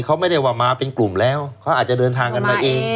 เขาไม่ได้ว่ามาเป็นกลุ่มแล้วเขาอาจจะเดินทางกันมาเอง